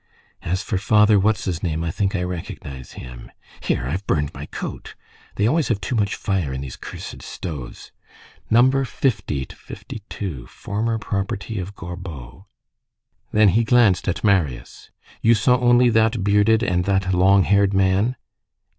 "As for Father What's his name, I think I recognize him. Here, I've burned my coat. They always have too much fire in these cursed stoves. Number 50 52. Former property of Gorbeau." Then he glanced at Marius. "You saw only that bearded and that long haired man?"